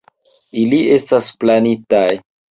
Ili estas planitaj.